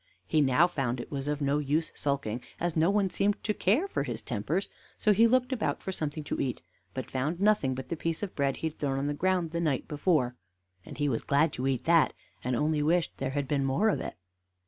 He now found it was of no use sulking, as no one seemed to care for his tempers; so he looked about for something to eat, but found nothing but the piece of bread he had thrown on the ground the night before; and he was glad to eat that, and only wished there had been more of it.